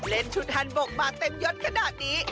เล่นชุดฮันบกมาเต็มยดขนาดนี้